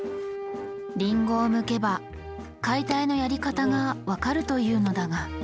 リンゴをむけば解体のやり方が分かるというのだが。